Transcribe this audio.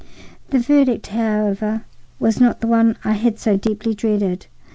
The verdict, however, was not the one I had so deeply dreaded.